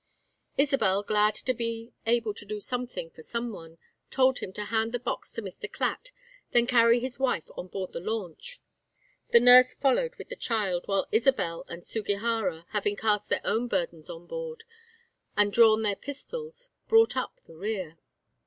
Isabel, glad to be able to do something for some one, told him to hand the box to Mr. Clatt, then carry his wife on board the launch. The nurse followed with the child, while Isabel and Sugihara, having cast their own burdens on board, and drawn their pistols, brought up in the rear.